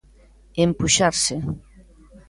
Empuxarse.